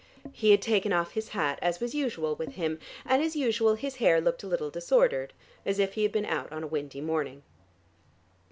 He had taken off his hat, as was usual with him, and as usual his hair looked a little disordered, as if he had been out on a windy morning.